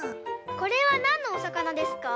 これはなんのおさかなですか？